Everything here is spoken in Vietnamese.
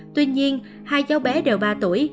tuy nhiên hai cháu bé đều ba tuổi